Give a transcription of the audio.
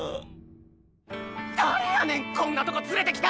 誰やねんこんなとこ連れてきたん！